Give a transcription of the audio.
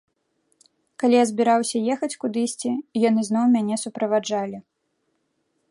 Калі я збіраўся ехаць кудысьці, яны зноў мяне суправаджалі.